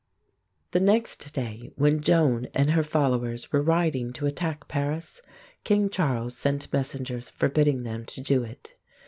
The next day, when Joan and her followers were riding to attack Paris, King Charles sent messengers forbidding them to do it.